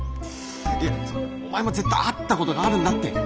お前も絶対会ったことがあるんだって。